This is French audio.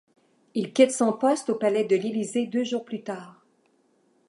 Il quitte son poste au palais de l'Élysée deux jours plus tard.